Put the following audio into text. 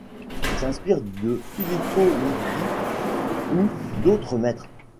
Il s'inspire de Filippo Lippi ou d'autres maîtres.